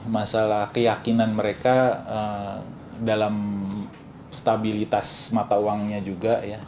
masalah keyakinan mereka dalam stabilitas mata uangnya juga ya